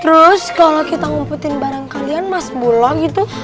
terus kalau kita ngumpetin barang kalian mas mula gitu